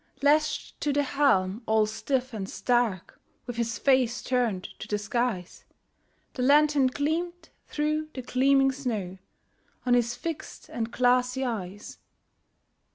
Lashed to the helm, all stiff and stark, With his face turned to the skies, The lantern gleamed through the gleaming snow On his fixed and glassy eyes.